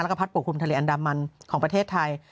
แล้วก็พัดปกคลุมทะเลอันดามันของประเทศไทย